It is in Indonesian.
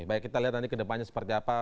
baik kita lihat nanti kedepannya seperti apa